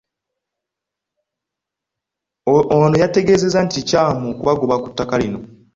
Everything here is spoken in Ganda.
Ono yategeezezza nti kikyamu okubagoba ku ttaka lino.